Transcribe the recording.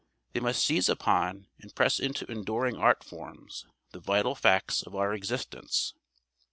They must seize upon and press into enduring art forms the vital facts of our existence.